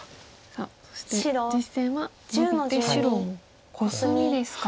さあそして実戦はノビて白コスミですか。